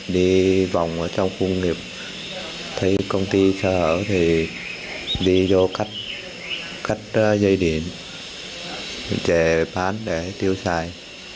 đi vòng trong khu công nghiệp thấy công ty sợ thì đi vô cắt cắt dây điện chè bán để tiêu xài